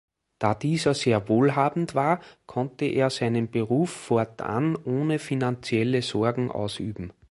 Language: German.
Da diese sehr wohlhabend war, konnte er seinen Beruf fortan ohne finanzielle Sorgen ausüben.